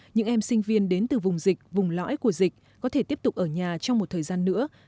những em sinh viên đến từ vùng dịch vùng lõi của dịch có thể tiếp tục ở nhà trong một thời gian nữa